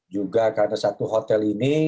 juga karena satu hotel ini